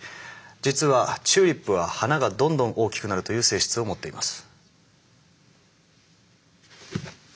実はチューリップは花がどんどん大きくなるという性質を持っています。